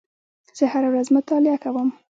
زه هره ورځ مطالعه کوم.